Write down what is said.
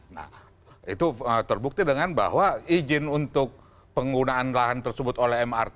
nah itu terbukti dengan bahwa izin untuk penggunaan lahan tersebut oleh mrt